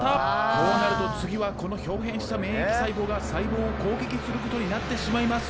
こうなると次はこのひょう変した免疫細胞が細胞を攻撃することになってしまいます。